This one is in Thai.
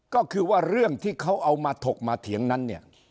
ก็คือว่าเรื่องที่เขาเอามาถกมาเถียงนั้นเนี่ย